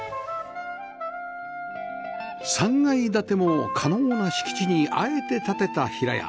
３階建ても可能な敷地にあえて建てた平屋